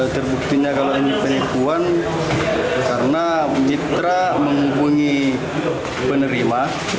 terbuktinya kalau ini penipuan karena mitra menghubungi penerima